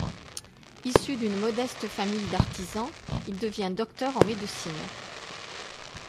Issu d'une modeste famille d'artisans, il devient docteur en médecine.